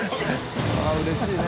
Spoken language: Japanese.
◆舛うれしいね。